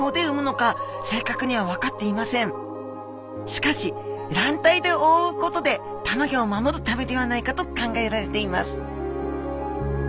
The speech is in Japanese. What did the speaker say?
しかし卵帯でおおうことでたまギョを守るためではないかと考えられています。